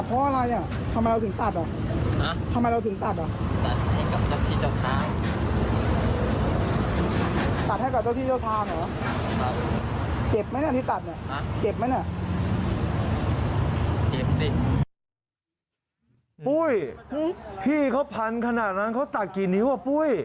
เจ็บสิปุ้ยฮือพี่เขาพันธุ์ขนาดนั้นเขาตัดกี่นิ้วอ่ะปุ้ย